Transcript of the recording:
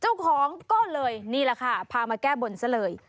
เจ้าของก็เลยนี่แหละค่ะพามาแก้บนซะเลย